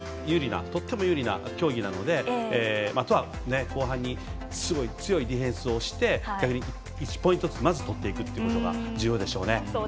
オフェンスがとっても有利な競技なので、あとは後半にすごい強いディフェンスをして１ポイントずつまずとっていくということが重要でしょうね。